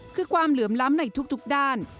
คือความเหลื่อมล้ำในทุกด้าน